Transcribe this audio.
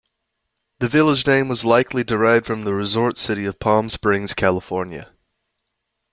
The village name was likely derived from the resort city of Palm Springs, California.